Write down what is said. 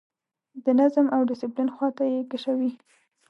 د نظم او ډسپلین خواته یې کشوي.